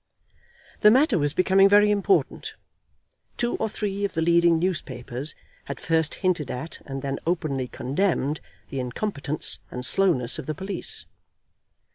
The matter was becoming very important. Two or three of the leading newspapers had first hinted at and then openly condemned the incompetence and slowness of the police.